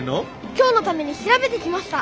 今日のために調べてきました。